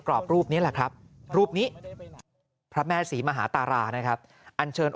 รอบรูปนี้แหละครับรูปนี้พระแม่ศรีมหาตารานะครับอันเชิญ